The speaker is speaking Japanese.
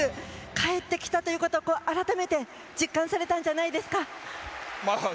帰ってきたというところあらためて実感されたんじゃないですか。